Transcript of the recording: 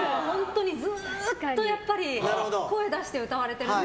ずっとやっぱり声出して歌われてる。